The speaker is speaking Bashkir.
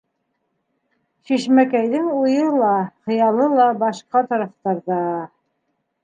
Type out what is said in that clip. Шишмәкәйҙең уйы ла, хыялы ла башҡа тарафтарҙа...